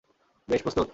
বেশ, প্রস্তুত?